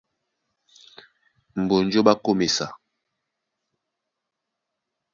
Mbonjó ɓá kôm esa,